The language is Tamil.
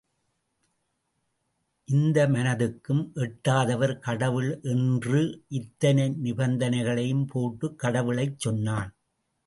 இந்த மனதுக்கும் எட்டாதவர் கடவுள் என்று இத்தனை நிபந்தனைகளையும் போட்டுக் கடவுளைச் சொன்னான்.